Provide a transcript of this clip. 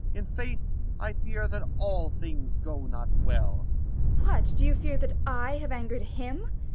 In faith, I fear that all things go not well. Gon. What, do you fear, that I have anger'd him